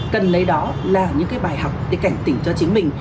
cần lấy đó là những cái bài học để cảnh tỉnh cho chính mình